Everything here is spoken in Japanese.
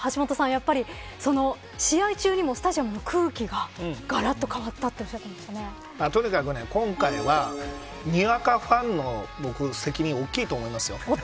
やっぱり試合中にもスタジアムの空気ががらっと変わったとにかく今回はにわかファンの責任は大きいと思いますよ。